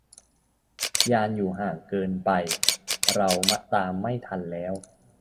ยานอยู่ห่างเกินไป เราตามไม่ทันแล้ว